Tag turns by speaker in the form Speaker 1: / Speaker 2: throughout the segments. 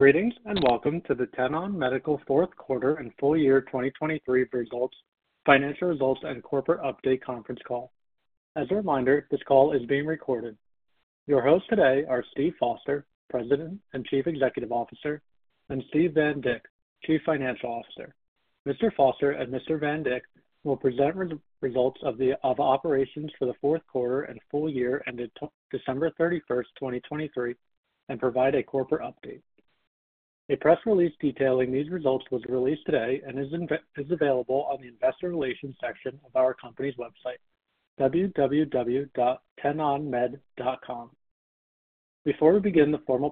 Speaker 1: Greetings and welcome to the Tenon Medical fourth quarter and full year 2023 financial results and corporate update conference call. As a reminder, this call is being recorded. Your hosts today are Steve Foster, President and Chief Executive Officer, and Steve Van Dick, Chief Financial Officer. Mr. Foster and Mr. Van Dick will present results of operations for the fourth quarter and full year ended December 31st, 2023, and provide a corporate update. A press release detailing these results was released today and is available on the Investor Relations section of our company's website, www.tenonmed.com. Before we begin the formal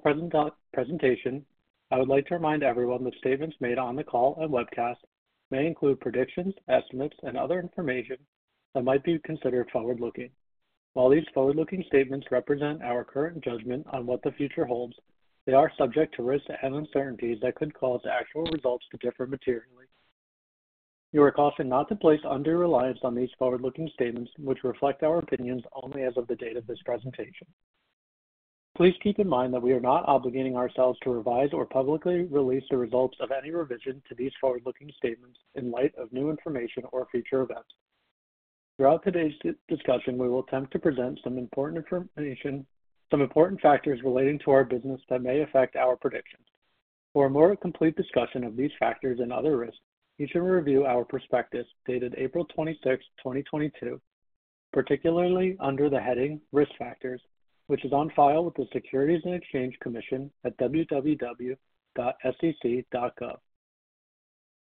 Speaker 1: presentation, I would like to remind everyone that statements made on the call and webcast may include predictions, estimates, and other information that might be considered forward-looking. While these forward-looking statements represent our current judgment on what the future holds, they are subject to risks and uncertainties that could cause actual results to differ materially. You are cautioned not to place undue reliance on these forward-looking statements, which reflect our opinions only as of the date of this presentation. Please keep in mind that we are not obligating ourselves to revise or publicly release the results of any revision to these forward-looking statements in light of new information or future events. Throughout today's discussion, we will attempt to present some important factors relating to our business that may affect our predictions. For a more complete discussion of these factors and other risks, you should review our prospectus dated April 26th, 2022, particularly under the heading Risk Factors, which is on file with the Securities and Exchange Commission at www.sec.gov.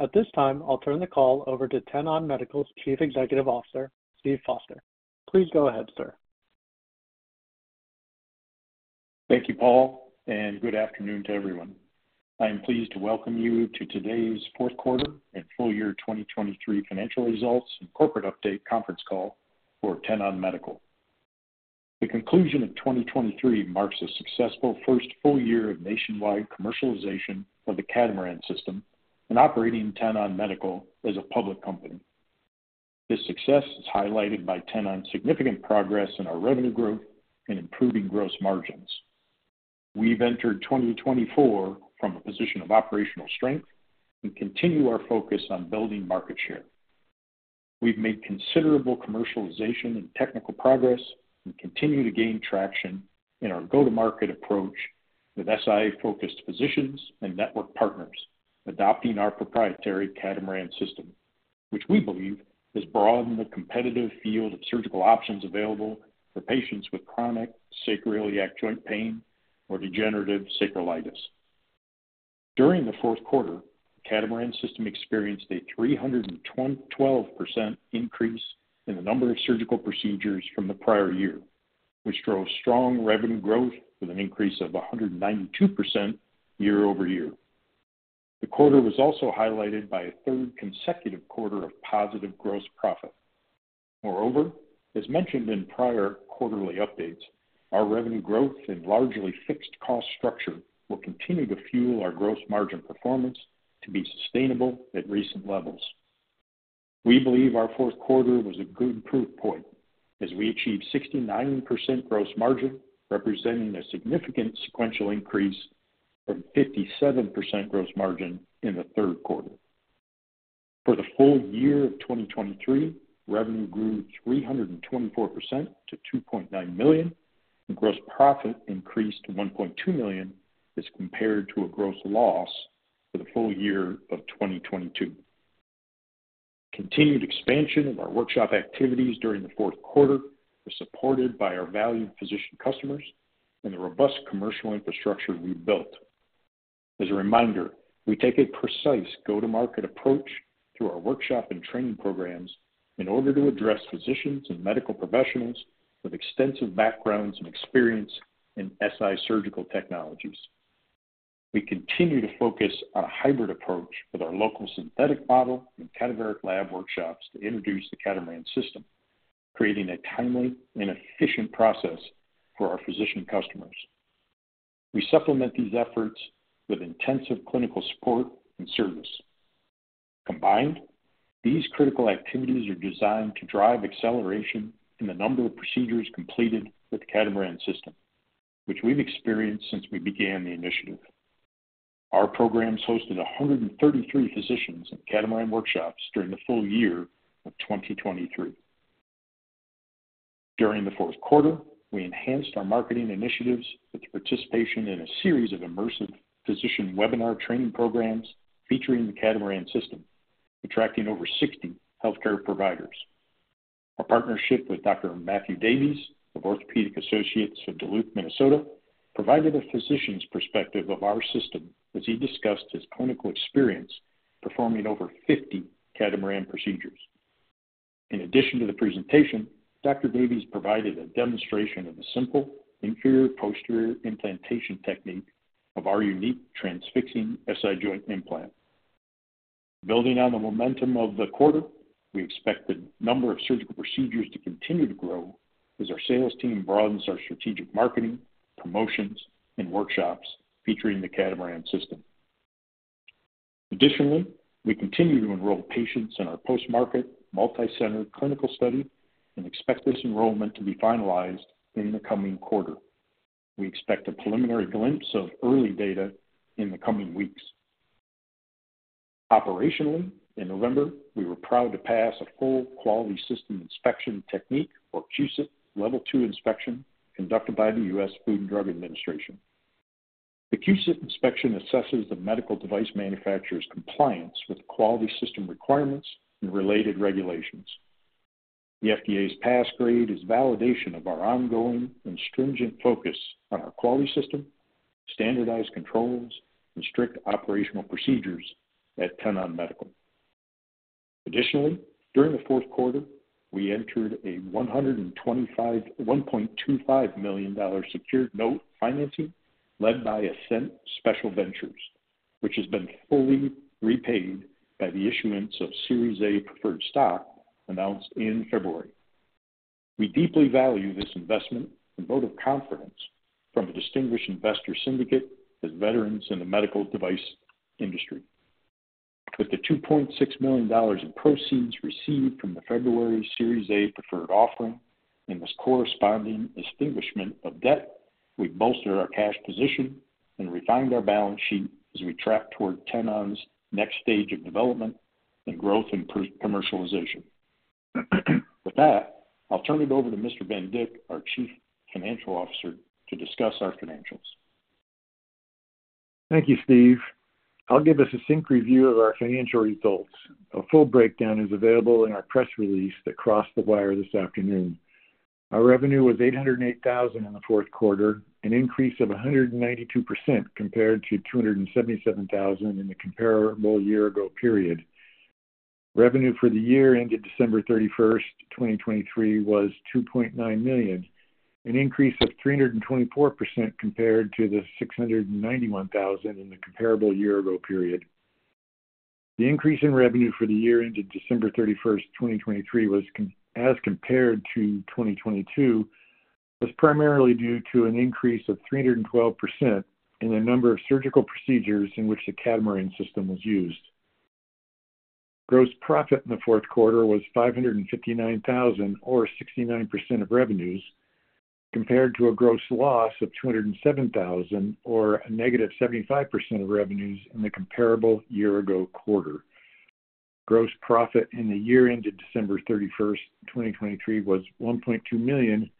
Speaker 1: At this time, I'll turn the call over to Tenon Medical's Chief Executive Officer, Steve Foster. Please go ahead, sir.
Speaker 2: Thank you, Paul, and good afternoon to everyone. I am pleased to welcome you to today's fourth quarter and full year 2023 financial results and corporate update conference call for Tenon Medical. The conclusion of 2023 marks a successful first full year of nationwide commercialization of the Catamaran system and operating Tenon Medical as a public company. This success is highlighted by Tenon's significant progress in our revenue growth and improving gross margins. We've entered 2024 from a position of operational strength and continue our focus on building market share. We've made considerable commercialization and technical progress and continue to gain traction in our go-to-market approach with SI-focused physicians and network partners adopting our proprietary Catamaran system, which we believe has broadened the competitive field of surgical options available for patients with chronic sacroiliac joint pain or degenerative sacroiliitis. During the fourth quarter, the Catamaran system experienced a 312% increase in the number of surgical procedures from the prior year, which drove strong revenue growth with an increase of 192% year-over-year. The quarter was also highlighted by a third consecutive quarter of positive gross profit. Moreover, as mentioned in prior quarterly updates, our revenue growth and largely fixed cost structure will continue to fuel our gross margin performance to be sustainable at recent levels. We believe our fourth quarter was a good proof point as we achieved 69% gross margin, representing a significant sequential increase from 57% gross margin in the third quarter. For the full year of 2023, revenue grew 324% to $2.9 million, and gross profit increased to $1.2 million as compared to a gross loss for the full year of 2022. Continued expansion of our workshop activities during the fourth quarter was supported by our valued physician customers and the robust commercial infrastructure we built. As a reminder, we take a precise go-to-market approach through our workshop and training programs in order to address physicians and medical professionals with extensive backgrounds and experience in SI surgical technologies. We continue to focus on a hybrid approach with our local synthetic model and cadaveric lab workshops to introduce the Catamaran system, creating a timely and efficient process for our physician customers. We supplement these efforts with intensive clinical support and service. Combined, these critical activities are designed to drive acceleration in the number of procedures completed with the Catamaran system, which we've experienced since we began the initiative. Our programs hosted 133 physicians and Catamaran workshops during the full year of 2023. During the fourth quarter, we enhanced our marketing initiatives with participation in a series of immersive physician webinar training programs featuring the Catamaran system, attracting over 60 healthcare providers. Our partnership with Dr. Matthew Davies of Orthopaedic Associates of Duluth, Minnesota, provided a physician's perspective of our system as he discussed his clinical experience performing over 50 Catamaran procedures. In addition to the presentation, Dr. Davies provided a demonstration of the simple inferior posterior implantation technique of our unique transfixing SI joint implant. Building on the momentum of the quarter, we expect the number of surgical procedures to continue to grow as our sales team broadens our strategic marketing, promotions, and workshops featuring the Catamaran system. Additionally, we continue to enroll patients in our post-market multi-center clinical study and expect this enrollment to be finalized in the coming quarter. We expect a preliminary glimpse of early data in the coming weeks. Operationally, in November, we were proud to pass a full Quality System Inspection Technique, or QSIT, level two inspection, conducted by the U.S. Food and Drug Administration. The QSIT inspection assesses the medical device manufacturer's compliance with quality system requirements and related regulations. The FDA's pass grade is validation of our ongoing and stringent focus on our quality system, standardized controls, and strict operational procedures at Tenon Medical. Additionally, during the fourth quarter, we entered a $1.25 million secured note financing led by Ascent Biomedical Ventures, which has been fully repaid by the issuance of Series A preferred stock announced in February. We deeply value this investment and vote of confidence from a distinguished investor syndicate as veterans in the medical device industry. With the $2.6 million in proceeds received from the February Series A preferred offering and this corresponding extinguishment of debt, we bolster our cash position and refine our balance sheet as we track toward Tenon's next stage of development and growth and commercialization. With that, I'll turn it over to Mr. Van Dick, our Chief Financial Officer, to discuss our financials.
Speaker 3: Thank you, Steve. I'll give us a quick review of our financial results. A full breakdown is available in our press release that crossed the wire this afternoon. Our revenue was $808,000 in the fourth quarter, an increase of 192% compared to $277,000 in the comparable year-ago period. Revenue for the year ended December 31st, 2023, was $2.9 million, an increase of 324% compared to the $691,000 in the comparable year-ago period. The increase in revenue for the year ended December 31st, 2023, as compared to 2022, was primarily due to an increase of 312% in the number of surgical procedures in which the Catamaran system was used. Gross profit in the fourth quarter was $559,000, or 69% of revenues, compared to a gross loss of $207,000, or a negative 75% of revenues in the comparable year-ago quarter. Gross profit in the year ended December 31st, 2023, was $1.2 million,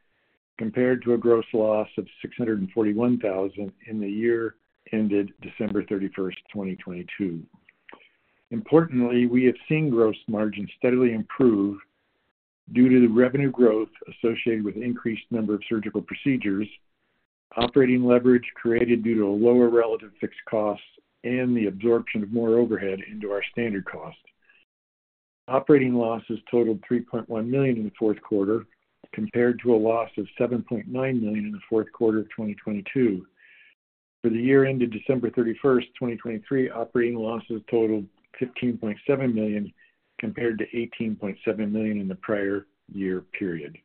Speaker 3: compared to a gross loss of $641,000 in the year ended December 31st, 2022. Importantly, we have seen gross margins steadily improve due to the revenue growth associated with an increased number of surgical procedures, operating leverage created due to a lower relative fixed cost, and the absorption of more overhead into our standard cost. Operating losses totaled $3.1 million in the fourth quarter, compared to a loss of $7.9 million in the fourth quarter of 2022. For the year ended December 31st, 2023, operating losses totaled $15.7 million, compared to $18.7 million in the prior year period.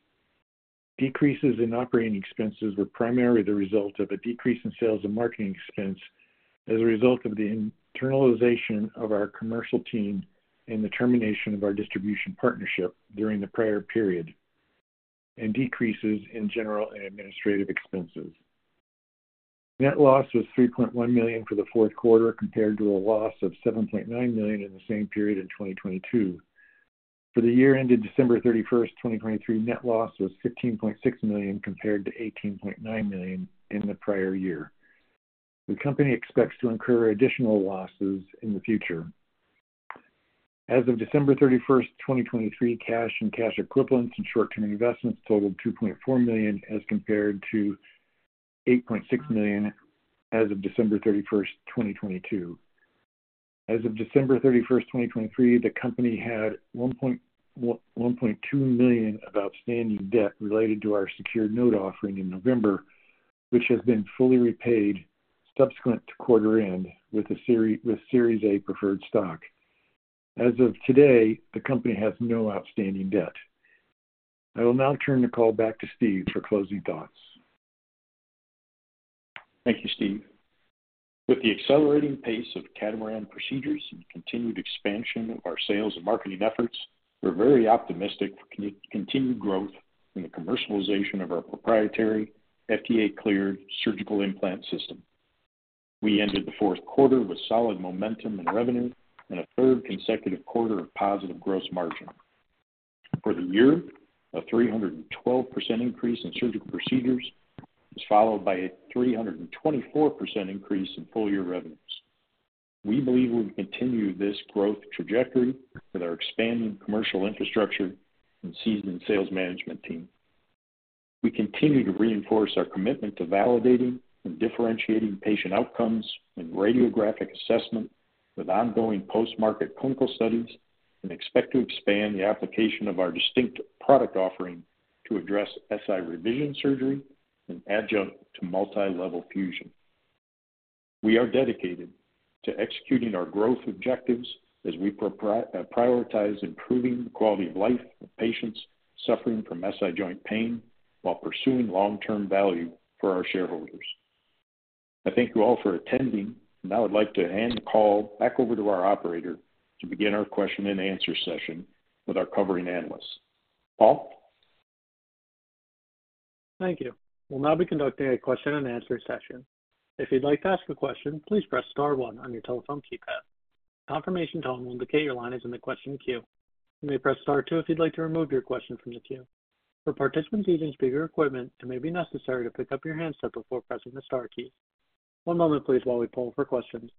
Speaker 3: Decreases in operating expenses were primarily the result of a decrease in sales and marketing expense as a result of the internalization of our commercial team and the termination of our distribution partnership during the prior period, and decreases in general and administrative expenses. Net loss was $3.1 million for the fourth quarter, compared to a loss of $7.9 million in the same period in 2022. For the year ended December 31, 2023, net loss was $15.6 million, compared to $18.9 million in the prior year. The company expects to incur additional losses in the future. As of December 31st, 2023, cash and cash equivalents and short-term investments totaled $2.4 million, as compared to $8.6 million as of December 31st, 2022. As of December 31st, 2023, the company had $1.2 million of outstanding debt related to our secured note offering in November, which has been fully repaid subsequent to quarter end with Series A Preferred Stock. As of today, the company has no outstanding debt. I will now turn the call back to Steve for closing thoughts.
Speaker 2: Thank you, Steve. With the accelerating pace of Catamaran procedures and continued expansion of our sales and marketing efforts, we're very optimistic for continued growth in the commercialization of our proprietary FDA-cleared surgical implant system. We ended the fourth quarter with solid momentum in revenue and a third consecutive quarter of positive gross margin. For the year, a 312% increase in surgical procedures was followed by a 324% increase in full year revenues. We believe we'll continue this growth trajectory with our expanding commercial infrastructure and seasoned sales management team. We continue to reinforce our commitment to validating and differentiating patient outcomes and radiographic assessment with ongoing post-market clinical studies and expect to expand the application of our distinct product offering to address SI revision surgery and adjunct to multilevel fusion. We are dedicated to executing our growth objectives as we prioritize improving the quality of life of patients suffering from SI joint pain while pursuing long-term value for our shareholders. I thank you all for attending. Now I'd like to hand the call back over to our operator to begin our question and answer session with our covering Analyst. Paul?
Speaker 1: Thank you. We'll now be conducting a question and answer session. If you'd like to ask a question, please press star one on your telephone keypad. Confirmation tone will indicate your line is in the question queue. You may press star two if you'd like to remove your question from the queue. For participants using speaker equipment, it may be necessary to pick up your handset before pressing the star key. One moment, please, while we poll for questions.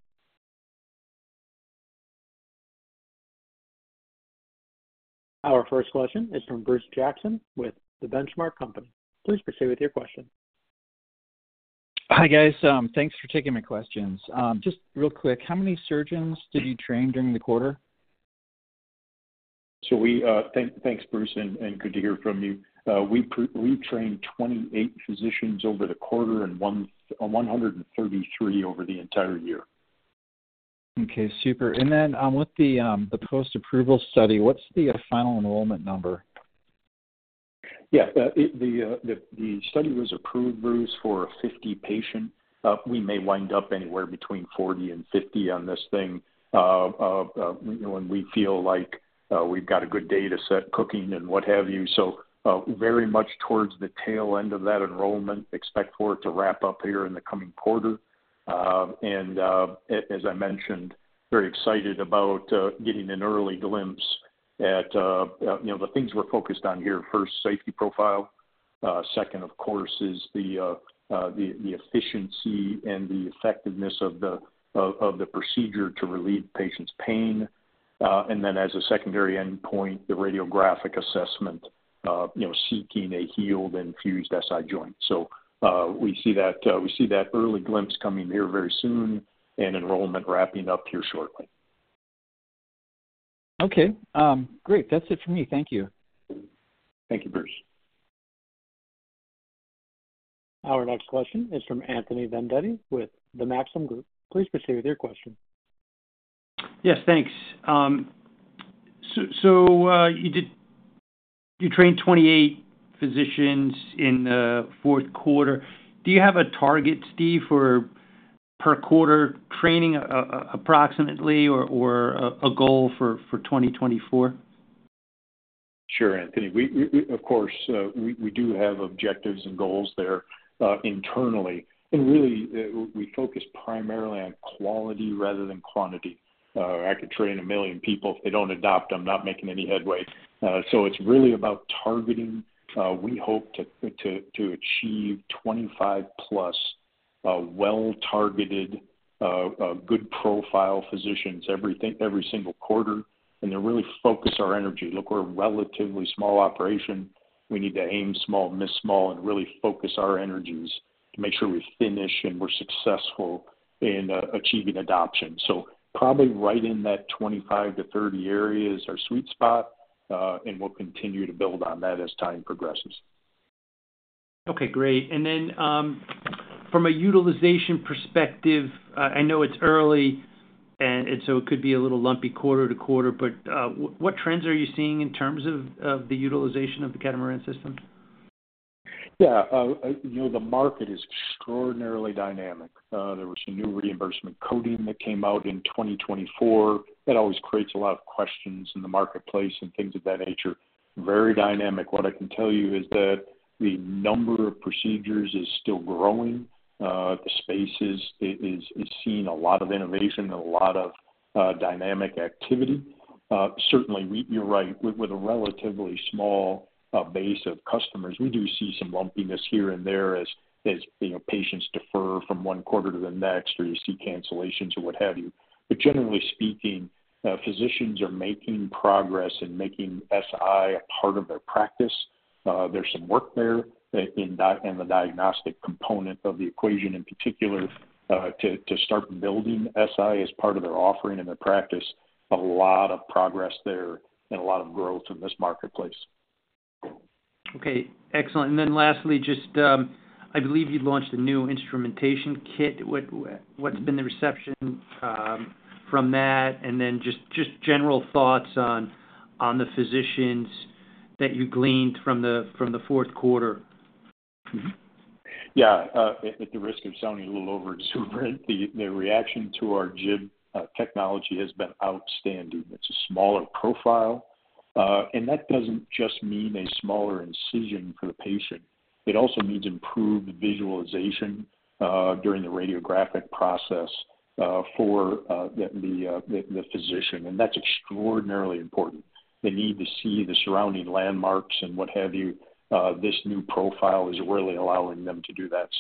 Speaker 1: Our first question is from Bruce Jackson with The Benchmark Company. Please proceed with your question.
Speaker 4: Hi, guys. Thanks for taking my questions. Just real quick, how many surgeons did you train during the quarter?
Speaker 2: So thanks, Bruce, and good to hear from you. We trained 28 physicians over the quarter and 133 over the entire year.
Speaker 4: Okay, super. And then with the post-approval study, what's the final enrollment number? Yeah, the study was approved, Bruce, for 50 patients. We may wind up anywhere between 40 and 50 on this thing when we feel like we've got a good data set cooking and what have you. So very much towards the tail end of that enrollment, expect for it to wrap up here in the coming quarter. And as I mentioned, very excited about getting an early glimpse at the things we're focused on here. First, safety profile. Second, of course, is the efficiency and the effectiveness of the procedure to relieve patients' pain. And then as a secondary endpoint, the radiographic assessment seeking a healed and fused SI joint. So we see that early glimpse coming here very soon and enrollment wrapping up here shortly. Okay, great. That's it for me. Thank you.
Speaker 2: Thank you, Bruce.
Speaker 1: Our next question is from Anthony Vendetti with The Maxim Group. Please proceed with your question.
Speaker 5: Yes, thanks. So you trained 28 physicians in the fourth quarter. Do you have a target, Steve, for per quarter training approximately or a goal for 2024?
Speaker 2: Sure, Anthony. Of course, we do have objectives and goals there internally. And really, we focus primarily on quality rather than quantity. I could train 1 million people. If they don't adopt, I'm not making any headway. So it's really about targeting. We hope to achieve 25+ well-targeted, good-profile physicians every single quarter. And they really focus our energy. Look, we're a relatively small operation. We need to aim small, miss small, and really focus our energies to make sure we finish and we're successful in achieving adoption. So probably right in that 25-30 areas is our sweet spot, and we'll continue to build on that as time progresses.
Speaker 5: Okay, great. And then from a utilization perspective, I know it's early, and so it could be a little lumpy quarter to quarter, but what trends are you seeing in terms of the utilization of the Catamaran System?
Speaker 2: Yeah, the market is extraordinarily dynamic. There was some new reimbursement coding that came out in 2024. That always creates a lot of questions in the marketplace and things of that nature. Very dynamic. What I can tell you is that the number of procedures is still growing. The space is seeing a lot of innovation and a lot of dynamic activity. Certainly, you're right. With a relatively small base of customers, we do see some lumpiness here and there as patients defer from one quarter to the next or you see cancellations or what have you. But generally speaking, physicians are making progress in making SI a part of their practice. There's some work there in the diagnostic component of the equation in particular to start building SI as part of their offering and their practice. A lot of progress there and a lot of growth in this marketplace.
Speaker 5: Okay, excellent. Then lastly, I believe you launched a new instrumentation kit. What's been the reception from that? And then just general thoughts on the physicians that you gleaned from the fourth quarter.
Speaker 2: Yeah, at the risk of sounding a little over-exuberant, the reaction to our jig technology has been outstanding. It's a smaller profile. That doesn't just mean a smaller incision for the patient. It also means improved visualization during the radiographic process for the physician. That's extraordinarily important. They need to see the surrounding landmarks and what have you. This new profile is really allowing them to do that.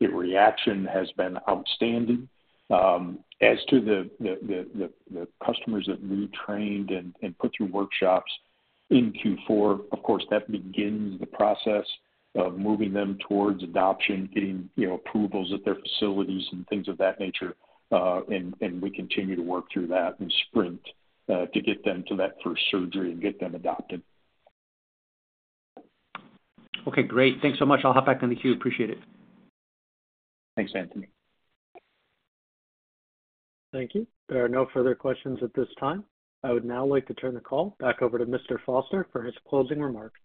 Speaker 2: The reaction has been outstanding. As to the customers that we trained and put through workshops in Q4, of course, that begins the process of moving them towards adoption, getting approvals at their facilities and things of that nature. We continue to work through that and sprint to get them to that first surgery and get them adopted.
Speaker 5: Okay, great. Thanks so much. I'll hop back on the queue. Appreciate it.
Speaker 2: Thanks, Anthony.
Speaker 1: Thank you. There are no further questions at this time. I would now like to turn the call back over to Mr. Foster for his closing remarks.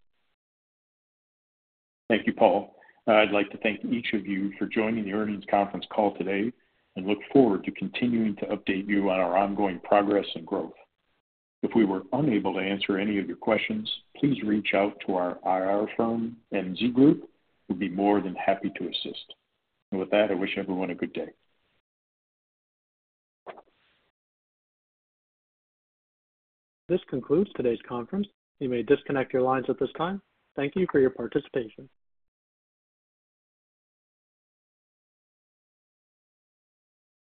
Speaker 2: Thank you, Paul. I'd like to thank each of you for joining the earnings conference call today and look forward to continuing to update you on our ongoing progress and growth. If we were unable to answer any of your questions, please reach out to our IR firm MZ Group. We'll be more than happy to assist. With that, I wish everyone a good day.
Speaker 1: This concludes today's conference. You may disconnect your lines at this time. Thank you for your participation.